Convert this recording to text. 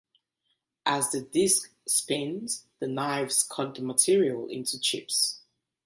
As the disk spins, the knives cut the material into chips.